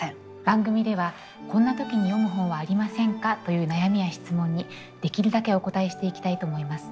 番組では「こんな時に読む本はありませんか？」という悩みや質問にできるだけお応えしていきたいと思います。